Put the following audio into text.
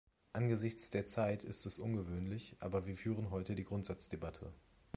Angesichts der Zeit ist es ungewöhnlich, aber wir führen heute die Grundsatzdebatte.